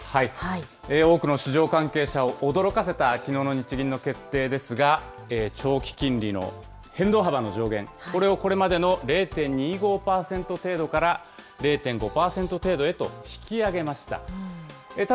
多くの市場関係者を驚かせたきのうの日銀の決定ですが、長期金利の変動幅の上限、これをこれまでの０．２５％程度から、０．５％程度へと引き上げました。